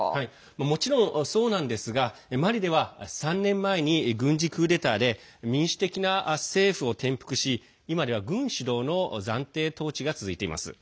もちろん、そうなんですがマリでは３年前に軍事クーデターで民主的な政府を転覆し今では、軍主導の暫定統治が続いています。